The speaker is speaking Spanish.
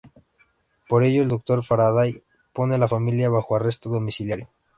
Por ello, el Doctor Faraday pone a la familia bajo arresto domiciliario.